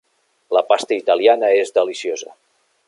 La pasta italiana és deliciosa.